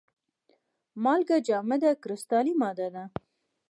مالګه جامده کرستلي ماده ده.